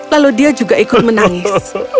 lalu dia juga ikut menangis